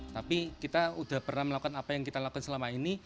tapi kita udah pernah melakukan apa yang kita lakukan selama ini